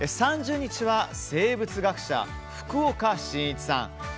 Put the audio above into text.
３０日は生物学者・福岡伸一さん。